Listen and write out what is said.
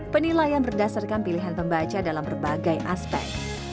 penilaian berdasarkan pilihan pembaca dalam berbagai aspek